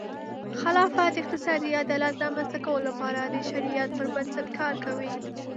خلافت د اقتصادي عدالت رامنځته کولو لپاره د شریعت پر بنسټ کار کوي.